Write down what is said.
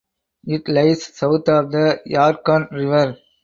It lies south of the Yarkon River.